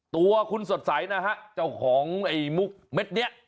ตัวคุณสดใสนะฮะเจ้าของไอ้มุกเม็ดนี้